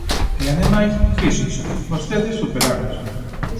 E ademais, fíxense, vostedes superáronse.